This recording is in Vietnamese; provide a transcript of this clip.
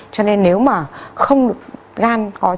cho nên nếu mà không được gan